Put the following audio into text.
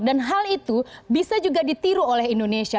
dan hal itu bisa juga ditiru oleh indonesia